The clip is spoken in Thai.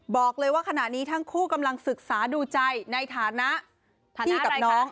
บอกเลยว่าขณะนี้ทั้งคู่กำลังศึกษาดูใจในฐานะพี่กับน้อง